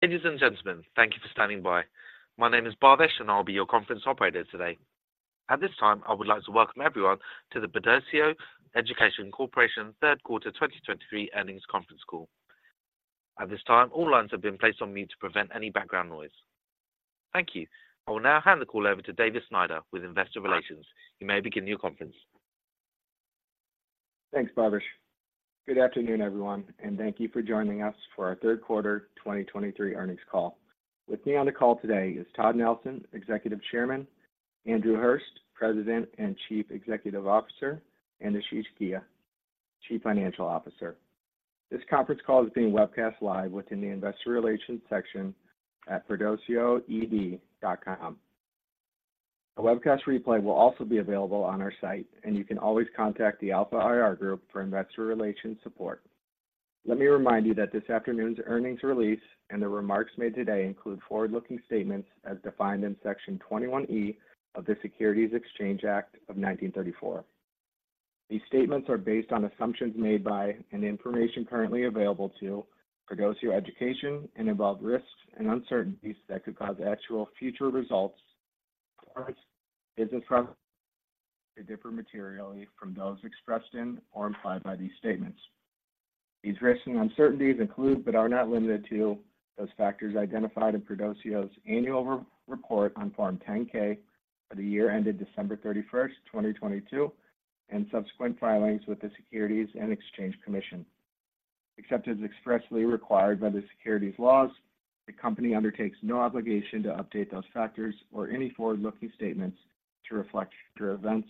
Ladies and gentlemen, thank you for standing by. My name is Bhavesh, and I'll be your conference operator today. At this time, I would like to welcome everyone to the Perdoceo Education Corporation third quarter 2023 earnings conference call. At this time, all lines have been placed on mute to prevent any background noise. Thank you. I will now hand the call over to Davis Snyder with Investor Relations. You may begin your conference. Thanks, Barvesh. Good afternoon, everyone, and thank you for joining us for our third quarter 2023 earnings call. With me on the call today is Todd Nelson, Executive Chairman; Andrew Hurst, President and Chief Executive Officer; and Ashish Ghia, Chief Financial Officer. This conference call is being webcast live within the Investor Relations section at perdoceoed.com. A webcast replay will also be available on our site, and you can always contact the Alpha IR Group for investor relations support. Let me remind you that this afternoon's earnings release and the remarks made today include forward-looking statements as defined in Section 21E of the Securities Exchange Act of 1934. These statements are based on assumptions made by, and information currently available to, Perdoceo Education and involve risks and uncertainties that could cause actual future results or business from, to differ materially from those expressed in or implied by these statements. These risks and uncertainties include, but are not limited to, those factors identified in Perdoceo's annual report on Form 10-K for the year ended December 31st, 2022, and subsequent filings with the Securities and Exchange Commission. Except as expressly required by the securities laws, the company undertakes no obligation to update those factors or any forward-looking statements to reflect future events,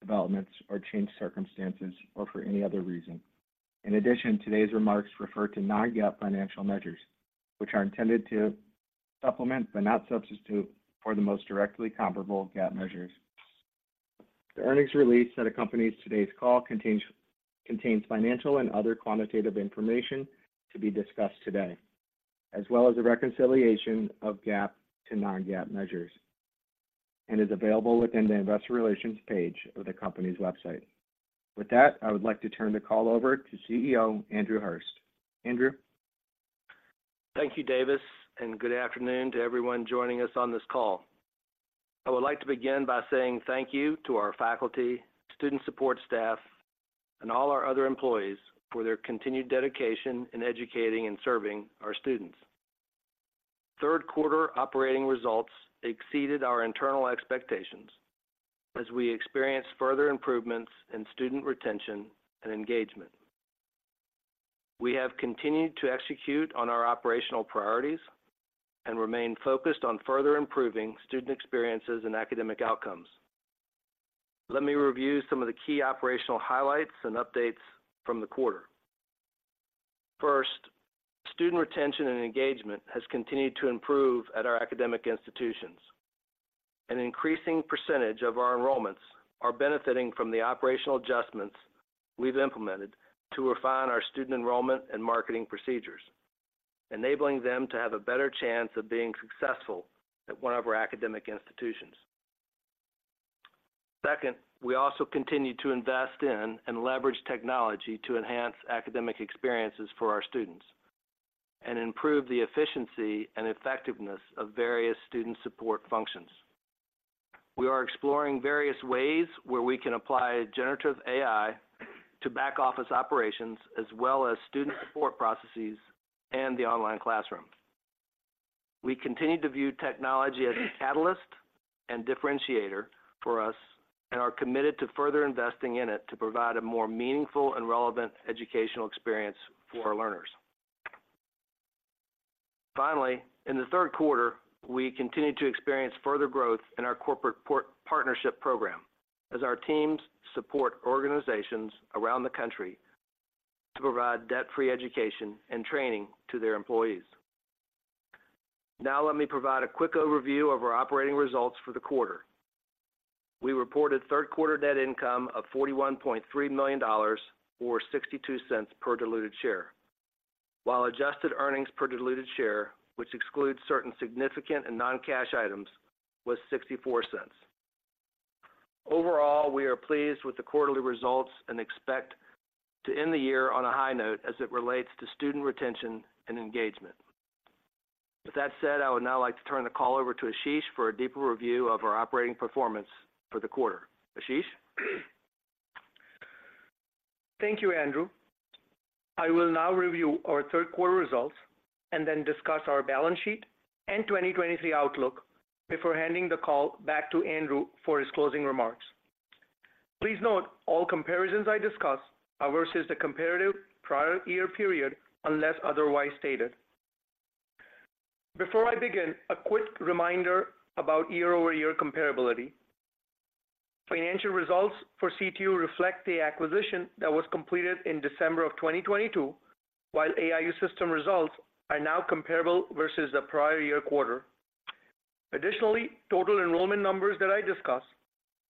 developments, or changed circumstances, or for any other reason. In addition, today's remarks refer to non-GAAP financial measures, which are intended to supplement, but not substitute, for the most directly comparable GAAP measures. The earnings release that accompanies today's call contains financial and other quantitative information to be discussed today, as well as a reconciliation of GAAP to non-GAAP measures, and is available within the Investor Relations page of the company's website. With that, I would like to turn the call over to CEO Andrew Hurst. Andrew? Thank you, Davis, and good afternoon to everyone joining us on this call. I would like to begin by saying thank you to our faculty, student support staff, and all our other employees for their continued dedication in educating and serving our students. Third quarter operating results exceeded our internal expectations as we experienced further improvements in student retention and engagement. We have continued to execute on our operational priorities and remain focused on further improving student experiences and academic outcomes. Let me review some of the key operational highlights and updates from the quarter. First, student retention and engagement has continued to improve at our academic institutions. An increasing percentage of our enrollments are benefiting from the operational adjustments we've implemented to refine our student enrollment and marketing procedures, enabling them to have a better chance of being successful at one of our academic institutions. Second, we also continue to invest in and leverage technology to enhance academic experiences for our students and improve the efficiency and effectiveness of various student support functions. We are exploring various ways where we can apply generative AI to back office operations, as well as student support processes and the online classroom. We continue to view technology as a catalyst and differentiator for us, and are committed to further investing in it to provide a more meaningful and relevant educational experience for our learners. Finally, in the third quarter, we continued to experience further growth in our corporate partnership program as our teams support organizations around the country to provide debt-free education and training to their employees. Now, let me provide a quick overview of our operating results for the quarter. We reported third quarter net income of $41.3 million, or $0.62 per diluted share, while adjusted earnings per diluted share, which excludes certain significant and non-cash items, was $0.64. Overall, we are pleased with the quarterly results and expect to end the year on a high note as it relates to student retention and engagement. With that said, I would now like to turn the call over to Ashish for a deeper review of our operating performance for the quarter. Ashish? Thank you, Andrew. I will now review our third quarter results and then discuss our balance sheet and 2023 outlook before handing the call back to Andrew for his closing remarks. Please note, all comparisons I discuss are versus the comparative prior year period, unless otherwise stated. Before I begin, a quick reminder about year-over-year comparability. Financial results for CTU reflect the acquisition that was completed in December of 2022, while AIU System results are now comparable versus the prior year quarter. Additionally, total enrollment numbers that I discuss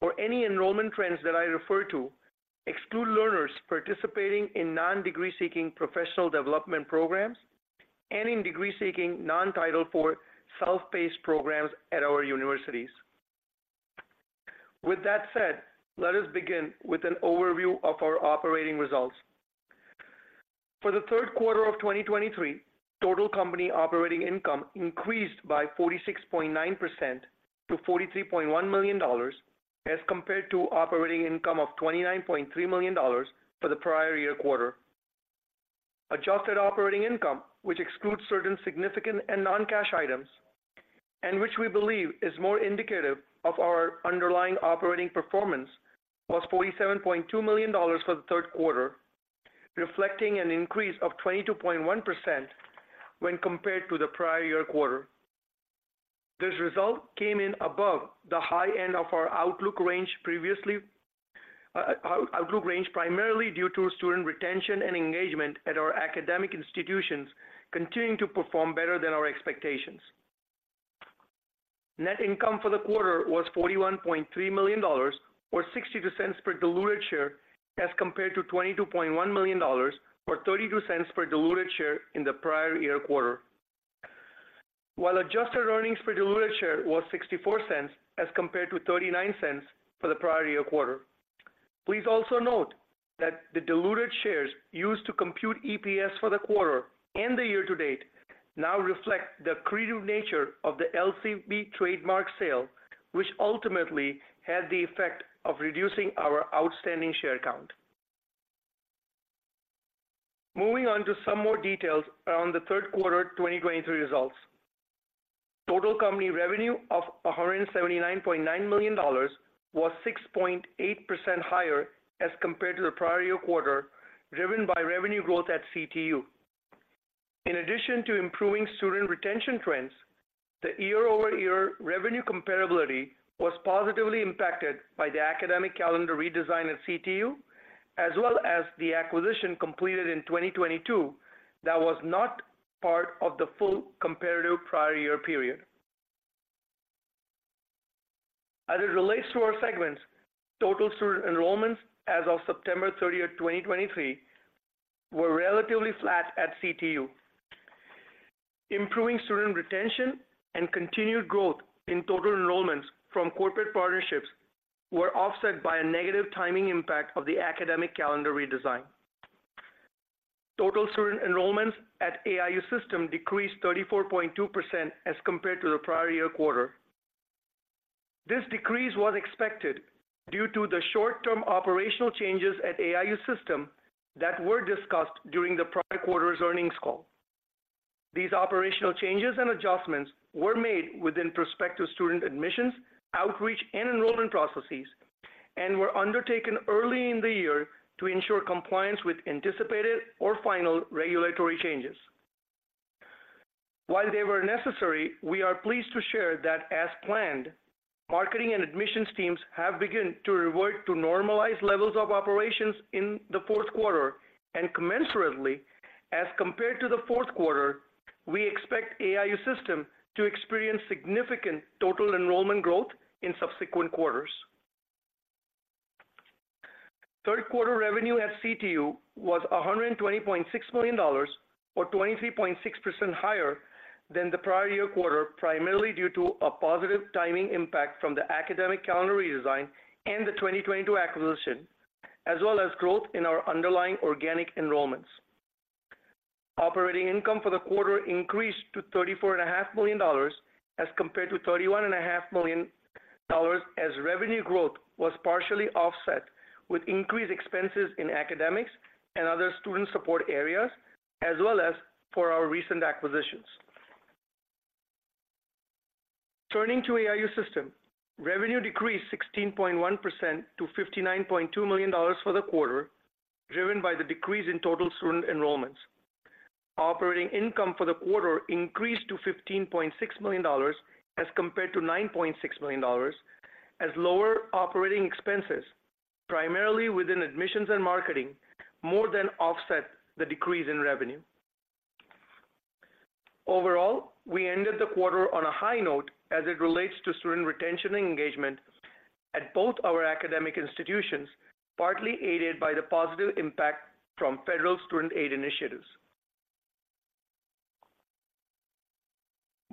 or any enrollment trends that I refer to exclude learners participating in non-degree-seeking professional development programs and in degree-seeking, non-Title IV, self-paced programs at our universities. With that said, let us begin with an overview of our operating results. For the third quarter of 2023, total company operating income increased by 46.9% to $43.1 million, as compared to operating income of $29.3 million for the prior year quarter. Adjusted operating income, which excludes certain significant and non-cash items, and which we believe is more indicative of our underlying operating performance, was $47.2 million for the third quarter, reflecting an increase of 22.1% when compared to the prior year quarter. This result came in above the high end of our outlook range previously, primarily due to student retention and engagement at our academic institutions continuing to perform better than our expectations. Net income for the quarter was $41.3 million, or $0.62 per diluted share, as compared to $22.1 million, or $0.32 per diluted share in the prior year quarter. While adjusted earnings per diluted share was $0.64 as compared to $0.39 for the prior year quarter. Please also note that the diluted shares used to compute EPS for the quarter and the year to date now reflect the accretive nature of the LCB trademark sale, which ultimately had the effect of reducing our outstanding share count. Moving on to some more details around the third quarter 2023 results. Total company revenue of $179.9 million was 6.8% higher as compared to the prior year quarter, driven by revenue growth at CTU. In addition to improving student retention trends, the year-over-year revenue comparability was positively impacted by the academic calendar redesign at CTU, as well as the acquisition completed in 2022, that was not part of the full comparative prior year period. As it relates to our segments, total student enrollments as of September 30th, 2023, were relatively flat at CTU. Improving student retention and continued growth in total enrollments from corporate partnerships were offset by a negative timing impact of the academic calendar redesign. Total student enrollments at AIU System decreased 34.2% as compared to the prior year quarter. This decrease was expected due to the short-term operational changes at AIU System that were discussed during the prior quarter's earnings call. These operational changes and adjustments were made within prospective student admissions, outreach, and enrollment processes, and were undertaken early in the year to ensure compliance with anticipated or final regulatory changes. While they were necessary, we are pleased to share that as planned, marketing and admissions teams have begun to revert to normalized levels of operations in the fourth quarter, and commensurately, as compared to the fourth quarter, we expect AIU System to experience significant total enrollment growth in subsequent quarters. Third quarter revenue at CTU was $120.6 million, or 23.6% higher than the prior year quarter, primarily due to a positive timing impact from the academic calendar redesign and the 2022 acquisition, as well as growth in our underlying organic enrollments. Operating income for the quarter increased to $34.5 million, as compared to $31.5 million, as revenue growth was partially offset with increased expenses in academics and other student support areas, as well as for our recent acquisitions. Turning to AIU System, revenue decreased 16.1% to $59.2 million for the quarter, driven by the decrease in total student enrollments. Operating income for the quarter increased to $15.6 million, as compared to $9.6 million, as lower operating expenses, primarily within admissions and marketing, more than offset the decrease in revenue. Overall, we ended the quarter on a high note as it relates to student retention and engagement at both our academic institutions, partly aided by the positive impact from federal student aid initiatives.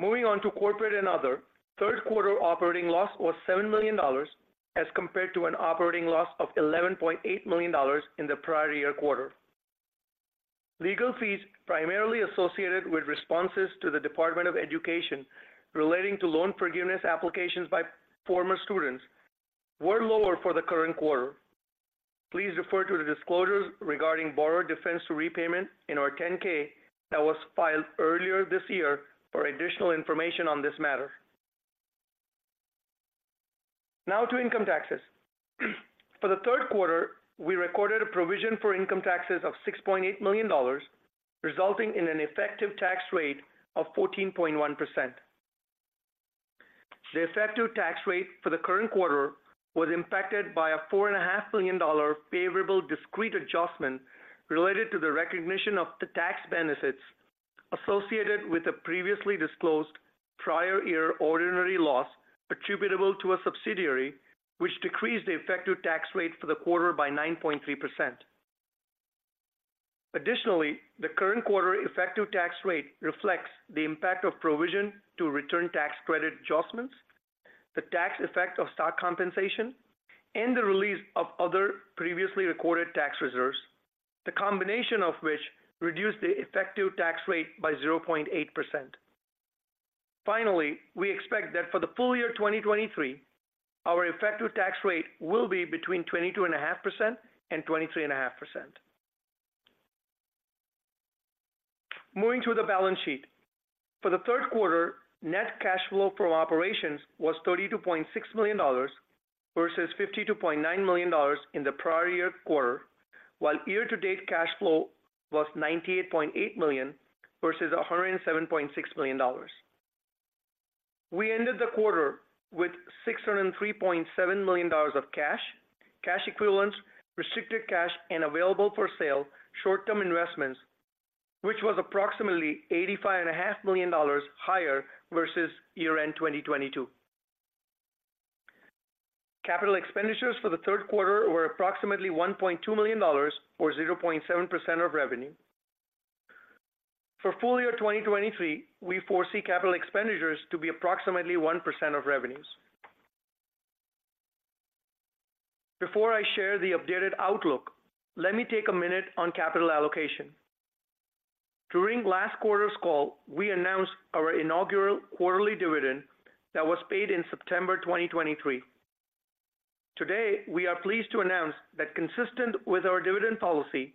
Moving on to corporate and other, third quarter operating loss was $7 million, as compared to an operating loss of $11.8 million in the prior year quarter. Legal fees, primarily associated with responses to the Department of Education relating to loan forgiveness applications by former students, were lower for the current quarter. Please refer to the disclosures regarding borrower defense to repayment in our 10-K that was filed earlier this year for additional information on this matter. Now to income taxes. For the third quarter, we recorded a provision for income taxes of $6.8 million, resulting in an effective tax rate of 14.1%. The effective tax rate for the current quarter was impacted by a $4.5 million favorable discrete adjustment related to the recognition of the tax benefits associated with the previously disclosed prior year ordinary loss attributable to a subsidiary, which decreased the effective tax rate for the quarter by 9.3%. Additionally, the current quarter effective tax rate reflects the impact of provision to return tax credit adjustments, the tax effect of stock compensation, and the release of other previously recorded tax reserves, the combination of which reduced the effective tax rate by 0.8%. Finally, we expect that for the full year 2023, our effective tax rate will be between 22.5% and 23.5%. Moving to the balance sheet. For the third quarter, net cash flow from operations was $32.6 million versus $52.9 million in the prior year quarter, while year-to-date cash flow was $98.8 million versus $107.6 million. We ended the quarter with $603.7 million of cash, cash equivalents, restricted cash, and available for sale, short-term investments, which was approximately $85.5 million higher versus year-end 2022. Capital expenditures for the third quarter were approximately $1.2 million or 0.7% of revenue. For full year 2023, we foresee capital expenditures to be approximately 1% of revenues. Before I share the updated outlook, let me take a minute on capital allocation. During last quarter's call, we announced our inaugural quarterly dividend that was paid in September 2023. Today, we are pleased to announce that consistent with our dividend policy,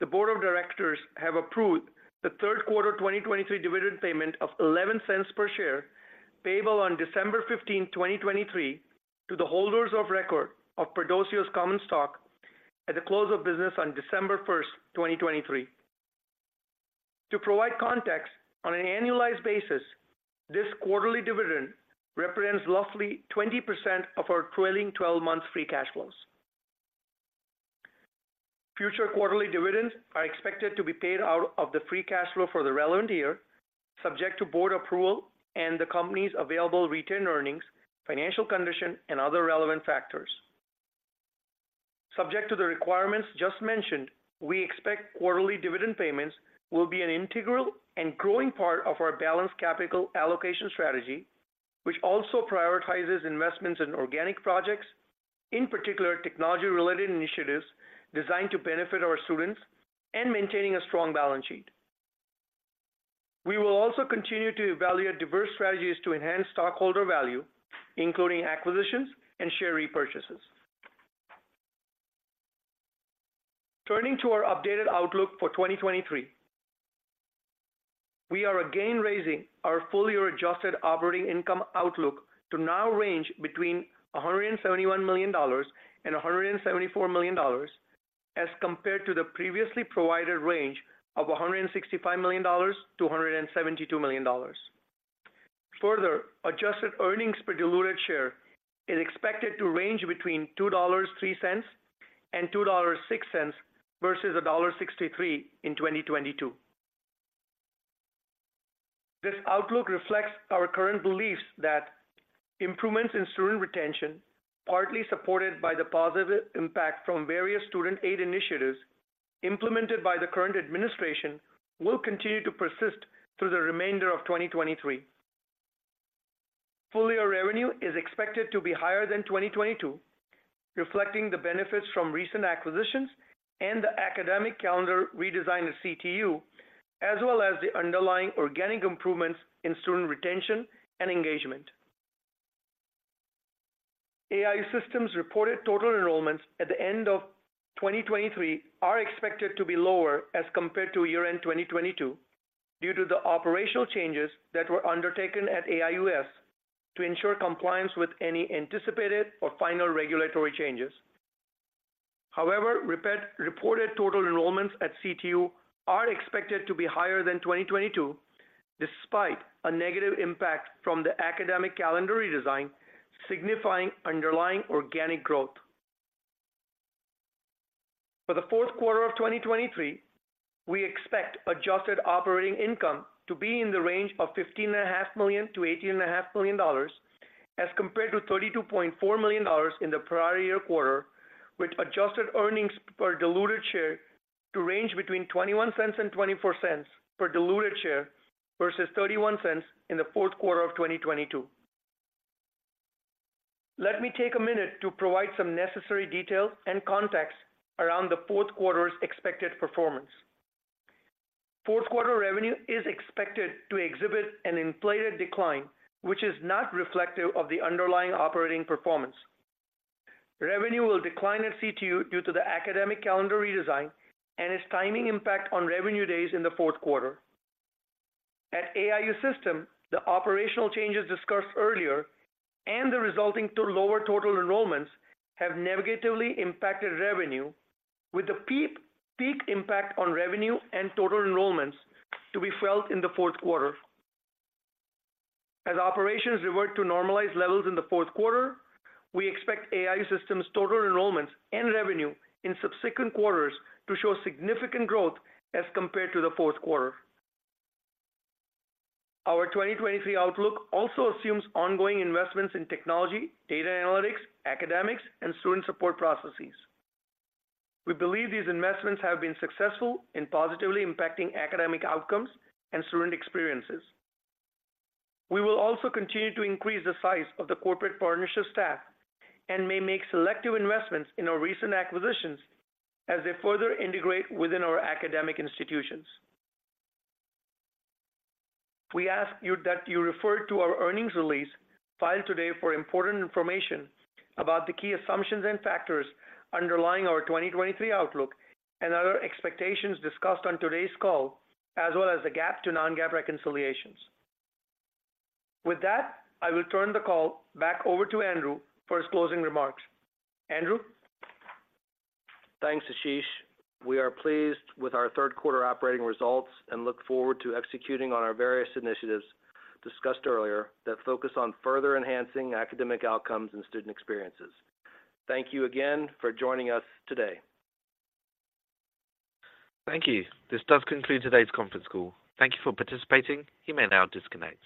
the board of directors have approved the third quarter 2023 dividend payment of $0.11 per share, payable on December 15, 2023, to the holders of record of Perdoceo's common stock at the close of business on December 1st, 2023. To provide context, on an annualized basis, this quarterly dividend represents roughly 20% of our trailing 12-month free cash flows. Future quarterly dividends are expected to be paid out of the free cash flow for the relevant year, subject to board approval and the company's available retained earnings, financial condition, and other relevant factors. Subject to the requirements just mentioned, we expect quarterly dividend payments will be an integral and growing part of our balanced capital allocation strategy, which also prioritizes investments in organic projects, in particular, technology-related initiatives designed to benefit our students and maintaining a strong balance sheet. We will also continue to evaluate diverse strategies to enhance stockholder value, including acquisitions and share repurchases. Turning to our updated outlook for 2023. We are again raising our full-year adjusted operating income outlook to now range between $171 million and $174 million, as compared to the previously provided range of $165 million-$172 million. Further, adjusted earnings per diluted share is expected to range between $2.03 and $2.06, versus $1.63 in 2022. This outlook reflects our current beliefs that improvements in student retention, partly supported by the positive impact from various student aid initiatives implemented by the current administration, will continue to persist through the remainder of 2023. Full year revenue is expected to be higher than 2022, reflecting the benefits from recent acquisitions and the academic calendar redesign of CTU, as well as the underlying organic improvements in student retention and engagement. AIU System reported total enrollments at the end of 2023 are expected to be lower as compared to year-end 2022, due to the operational changes that were undertaken at AIUS to ensure compliance with any anticipated or final regulatory changes. However, reported total enrollments at CTU are expected to be higher than 2022, despite a negative impact from the academic calendar redesign, signifying underlying organic growth. For the fourth quarter of 2023, we expect adjusted operating income to be in the range of $15.5 million-$18.5 million, as compared to $32.4 million in the prior year quarter, with adjusted earnings per diluted share to range between $0.21 and $0.24 per diluted share versus $0.31 in the fourth quarter of 2022. Let me take a minute to provide some necessary details and context around the fourth quarter's expected performance. Fourth quarter revenue is expected to exhibit an inflated decline, which is not reflective of the underlying operating performance. Revenue will decline at CTU due to the academic calendar redesign and its timing impact on revenue days in the fourth quarter. At AIU System, the operational changes discussed earlier and the resulting in lower total enrollments have negatively impacted revenue, with the peak impact on revenue and total enrollments to be felt in the fourth quarter. As operations revert to normalized levels in the fourth quarter, we expect AIU System's total enrollments and revenue in subsequent quarters to show significant growth as compared to the fourth quarter. Our 2023 outlook also assumes ongoing investments in technology, data analytics, academics, and student support processes. We believe these investments have been successful in positively impacting academic outcomes and student experiences. We will also continue to increase the size of the corporate partnership staff and may make selective investments in our recent acquisitions as they further integrate within our academic institutions. We ask you that you refer to our earnings release filed today for important information about the key assumptions and factors underlying our 2023 outlook and other expectations discussed on today's call, as well as the GAAP to non-GAAP reconciliations. With that, I will turn the call back over to Andrew for his closing remarks. Andrew? Thanks, Ashish. We are pleased with our third quarter operating results and look forward to executing on our various initiatives discussed earlier that focus on further enhancing academic outcomes and student experiences. Thank you again for joining us today. Thank you. This does conclude today's conference call. Thank you for participating. You may now disconnect.